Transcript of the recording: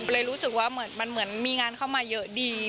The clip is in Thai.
เลยรู้สึกว่าเหมือนมันเหมือนมีงานเข้ามาเยอะดี